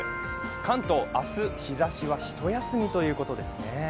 関東明日、日ざしはひと休みということですね。